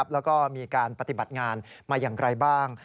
แล้วก็มีการปฏิบัติงานมาอย่างไรบ้าง